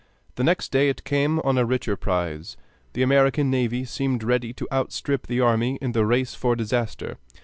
The next day it came on a richer prize. The American navy seemed ready to outstrip the army in the race for disaster.